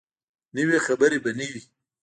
نوي خبرې به نه وي.